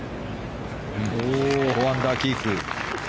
４アンダーキープ。